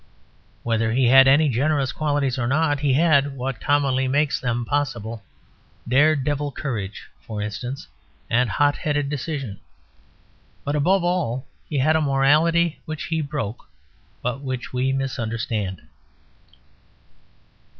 Whether he had any generous qualities or not, he had what commonly makes them possible, dare devil courage, for instance, and hotheaded decision. But, above all, he had a morality which he broke, but which we misunderstand.